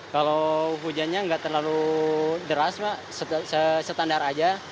kalau hujannya nggak terlalu deras pak setandar aja